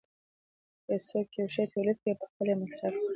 که څوک یو شی تولید کړي او پخپله یې مصرف کړي